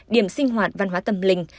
điểm sinh hoạt văn hóa tâm linh